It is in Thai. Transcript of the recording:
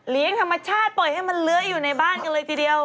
ธรรมชาติปล่อยให้มันเลื้อยอยู่ในบ้านกันเลยทีเดียว